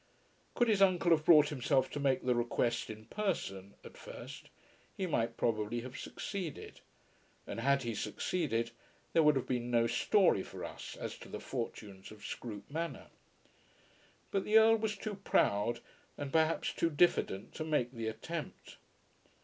Could his uncle have brought himself to make the request in person, at first, he might probably have succeeded; and had he succeeded, there would have been no story for us as to the fortunes of Scroope Manor. But the Earl was too proud and perhaps too diffident to make the attempt.